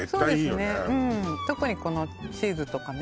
うん特にこのチーズとかね